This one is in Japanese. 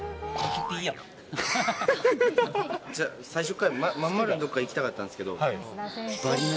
違う、最初から真ん丸のところからいきたかったんですけれども。